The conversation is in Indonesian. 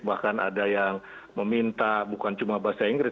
bahkan ada yang meminta bukan cuma bahasa inggris